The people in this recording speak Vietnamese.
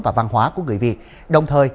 và văn hóa của người việt đồng thời